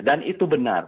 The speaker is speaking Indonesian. dan itu benar